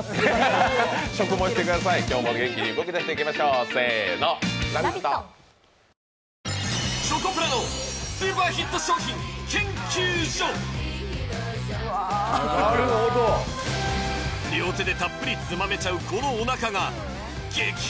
・うわなるほど両手でたっぷりつまめちゃうこのおなかが激変！？